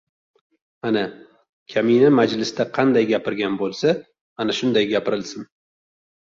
Ana, kamina majlisda qanday gapirgan bo‘lsa, ana shunday gapirilsin!